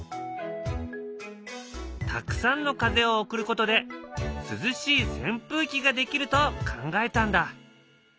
たくさんの風を送ることで涼しいせん風機ができると考えたんだ。